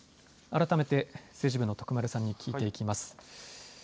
改めて政治部の徳丸さんに聞いていきます。